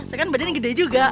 sekarang badannya gede juga